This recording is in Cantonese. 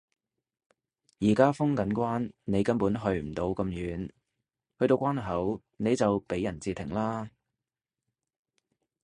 而家封緊關你根本去唔到咁遠，去到關口你就畀人截停啦